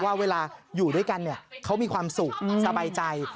ว่าเวลาอยู่ด้วยกันเขามีความสุขสบายใจ